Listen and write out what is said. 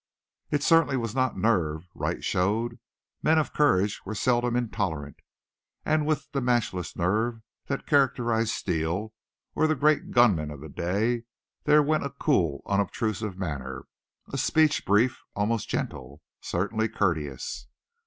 It certainly was not nerve Wright showed; men of courage were seldom intolerant; and with the matchless nerve that characterized Steele or the great gunmen of the day there went a cool, unobtrusive manner, a speech brief, almost gentle, certainly courteous.